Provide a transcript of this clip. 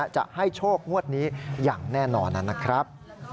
จะให้โชคงวดนี้อย่างแน่นอนนะครับ